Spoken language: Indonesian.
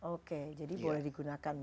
oke jadi boleh digunakan